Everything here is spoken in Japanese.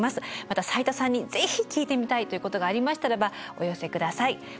また斉田さんにぜひ聞いてみたいということがありましたらばお寄せ下さい。